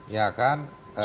iya ya kan